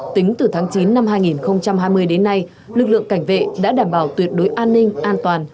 tính từ tháng chín năm hai nghìn hai mươi đến nay lực lượng cảnh vệ đã đảm bảo tuyệt đối an ninh an toàn